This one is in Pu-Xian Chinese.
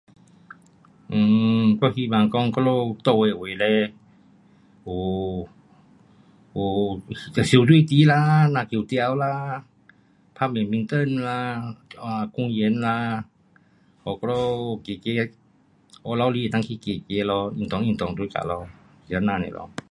um 我希望讲我们住的位嘞，有，有游泳池啦，蓝球场啦，打 badminton 啦，um 公园啦，给我们走走，下午时能够去走走咯，运动运动 suka 咯，就是这样 nia 咯。